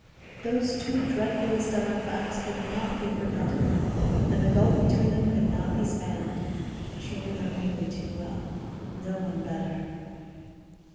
Those two dreadfully stubborn facts could not be forgotten, and the gulf between them could not be spanned; she knew that only too well. No one better.